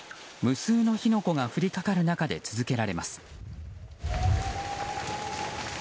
無数の火の粉が降りかかる中で続けられます。